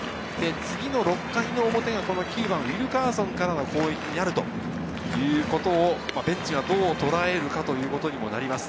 次の６回の表が９番・ウィルカーソンからの攻撃になるということをベンチがどうとらえるか。